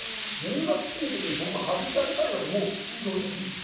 入学式の時に僕、外してあげたいなと思う。